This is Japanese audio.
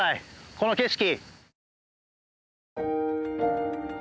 この景色。